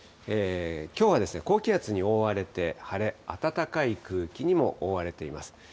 きょうはですね、高気圧に覆われて晴れ、暖かい空気にも覆われています。